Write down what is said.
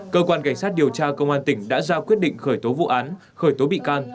cơ quan cảnh sát điều tra công an tỉnh đã ra quyết định khởi tố vụ án khởi tố bị can